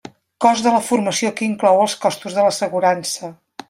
Cost de la formació que inclou els costos de l'assegurança.